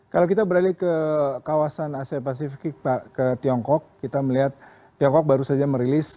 kalau kita beralih ke kawasan asia pasifik ke tiongkok kita melihat tiongkok baru saja merilis